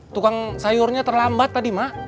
tukang sayurnya terlambat tadi mak